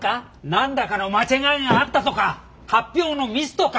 何らかの間違いがあったとか発表のミスとか。